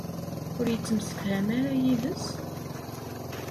Ur yettemsefham ara yid-s?